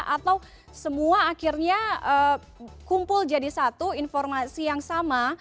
atau semua akhirnya kumpul jadi satu informasi yang sama